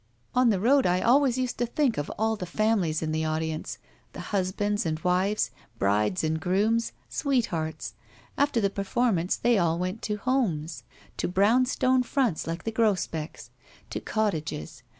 On the road I always used to think of all the families in the audience. The husbands and wives. Brides and grooms. Sweethearts. After the performance they all went to homes. To brownstone fronts like the Grosbecks'. To cottages.